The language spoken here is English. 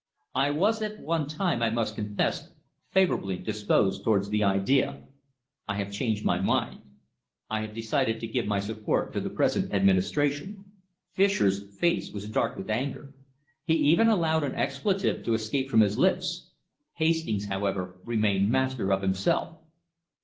I was at one time, I must confess, favourably disposed towards the idea. I have changed my mind. I have decided to give my support to the present Administration." Fischer's face was dark with anger. He even allowed an expletive to escape from his lips. Hastings, however, remained master of himself.